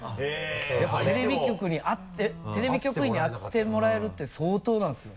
局員に会ってもらえるって相当なんですよ。